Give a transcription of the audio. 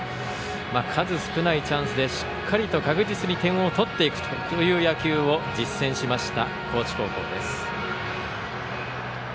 数少ないチャンスでしっかりと確実に点を取っていくという野球を実践しました高知高校です。